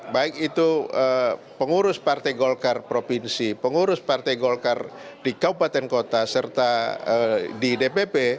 baik itu pengurus partai golkar provinsi pengurus partai golkar di kabupaten kota serta di dpp